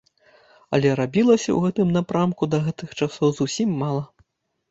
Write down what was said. Але рабілася ў гэтым напрамку да гэтых часоў зусім мала.